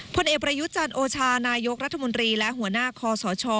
ผลเอกประยุจันทร์โอชานายกรัฐมนตรีและหัวหน้าคอสช